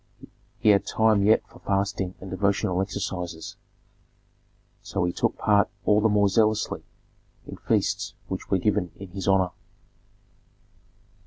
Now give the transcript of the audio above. He had time yet for fasting and devotional exercises; so he took part all the more zealously in feasts which were given in his honor.